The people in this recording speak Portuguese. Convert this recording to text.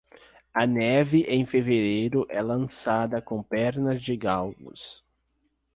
A neve em fevereiro é lançada com pernas de galgos.